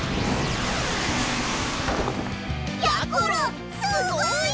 やころすごい！